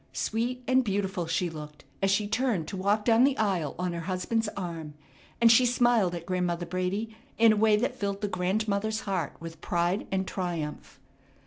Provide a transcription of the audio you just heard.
Sweet and beautiful she looked as she turned to walk down the aisle on her husband's arm, and she smiled at Grandmother Brady in a way that filled the grandmother's heart with pride and triumph.